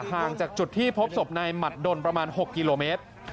ห่างจากจุดที่พบศพนายหมัดดนประมาณ๖กิโลเมตร